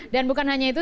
dan bukan hanya itu